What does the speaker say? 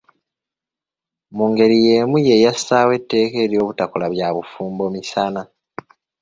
Mu ngeri y’emu ye yassaawo etteeka ery’obutakola bya bufumbo misana.